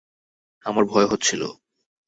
আমার ভয় হচ্ছিল।